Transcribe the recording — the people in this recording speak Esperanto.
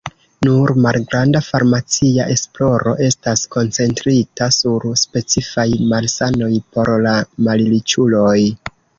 Nur malgranda farmacia esploro estas koncentrita sur specifaj malsanoj por la malriĉuloj.